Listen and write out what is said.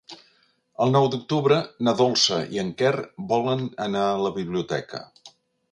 El nou d'octubre na Dolça i en Quer volen anar a la biblioteca.